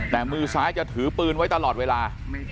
แต่มือซ้ายจะถือปืนไว้ตลอดเวลา